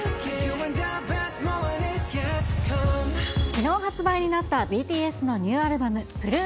きのう発売になったＢＴＳのニューアルバム、Ｐｒｏｏｆ。